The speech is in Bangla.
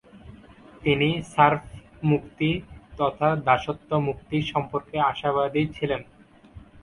তিনি "সার্ফ" মুক্তি তথা দাসত্ব মুক্তি সম্পর্কে আশাবাদী ছিলেন।